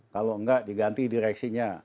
kalau enggak diganti direksinya